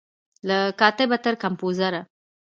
له کاتبه تر کمپوزره